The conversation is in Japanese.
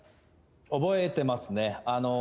覚えてますね。